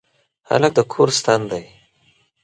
هلک د کور ستن دی.